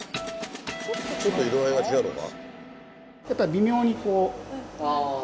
ちょっと色合いが違うとか？